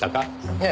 ええ。